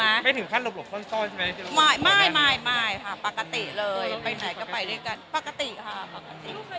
ไม่ถึงขั้นหลบหลบข้อนซ่อนใช่ไหมไม่ปกติเลยไปไหนก็ไปด้วยกันปกติค่ะ